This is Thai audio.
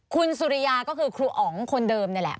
คุณสุริยาก็คือครูอ๋องคนเดิมนี่แหละ